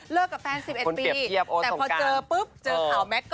เลิกกับแฟนสิบเอ็ดมีแต่พอเจอปั๊บ